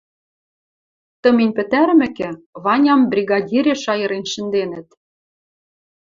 Тымень пӹтӓрӹмӹкӹ, Ваням бригадиреш айырен шӹнденӹт.